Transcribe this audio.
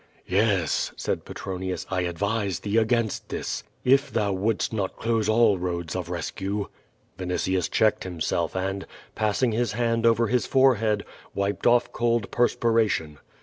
"Yes," said Petronius, "I advise thee agains t this, if thou wouldst not close all roads of rescue." Vinitius checked himself, and, passing his hand over his forehead, wiped off cold perspiration.